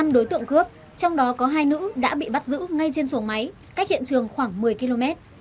năm đối tượng cướp trong đó có hai nữ đã bị bắt giữ ngay trên xuồng máy cách hiện trường khoảng một mươi km